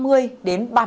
có nơi còn cao hơn